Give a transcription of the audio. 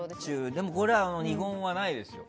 でも、これは二言はないですよ。